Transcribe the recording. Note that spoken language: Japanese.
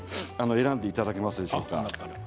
選んでいただけますでしょうか？